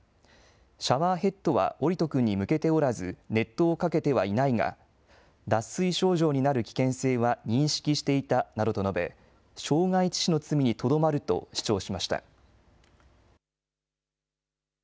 シャワーヘッドは桜利斗くんに向けておらず熱湯をかけてはいないが脱水症状になる危険性は認識していたなどと述べ傷害致死の罪にとどまると主張しました。